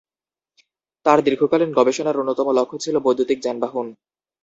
তাঁর দীর্ঘকালীন গবেষণার অন্যতম লক্ষ্য ছিল বৈদ্যুতিক যানবাহন।